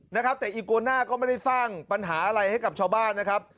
นะครับแต่อีโกน่าก็ไม่ได้สร้างปัญหาอะไรให้กับชาวบ้านนะครับ